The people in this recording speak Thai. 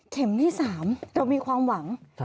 ที่๓เรามีความหวัง